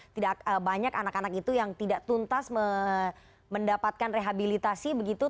tidak banyak anak anak itu yang tidak tuntas mendapatkan rehabilitasi begitu